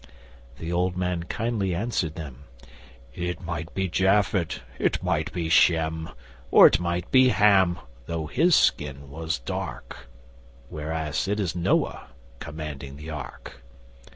The old man kindly answered them: 'it might be Japhet, it might be Shem, Or it might be Ham (though his skin was dark), Whereas it is Noah, commanding the Ark.